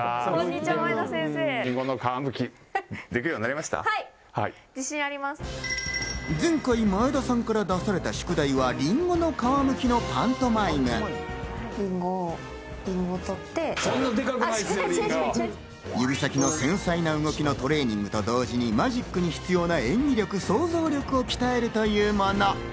食事をしながら、一流のマジシャンたちのショーが前回、前田さんから出された宿題は指先の繊細な動きのトレーニングと同時にマジックに必要な演技力、想像力を鍛えるというもの。